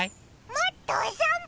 もっとおさんぽ！